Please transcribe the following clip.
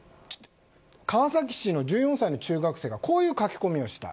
川崎市の１４歳の中学生がこういう書き込みをした。